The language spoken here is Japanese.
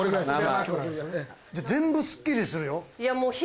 全部スッキリするよ。